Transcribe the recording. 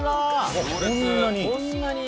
こんなに？